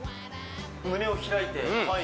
胸を開いてはい